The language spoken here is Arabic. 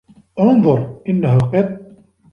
انظر! إنّه قطّ.